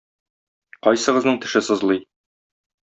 Кайсыгызның теше сызлый?